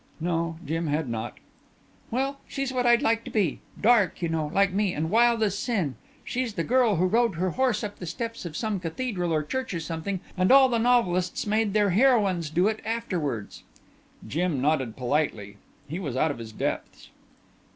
No, Jim had not. "Well, she's what I'd like to be. Dark, you know, like me, and wild as sin. She's the girl who rode her horse up the steps of some cathedral or church or something and all the novelists made their heroines do it afterwards." Jim nodded politely. He was out of his depths.